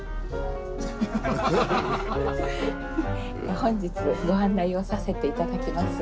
本日ご案内をさせて頂きます